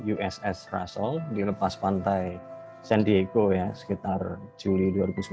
uss russell di lepas pantai san diego sekitar juli dua ribu sembilan belas